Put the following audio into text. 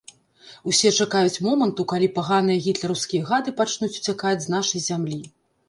Усе чакаюць моманту, калі паганыя гітлераўскія гады пачнуць уцякаць з нашай зямлі.